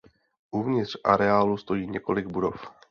Uvnitř areálu stojí několik budov.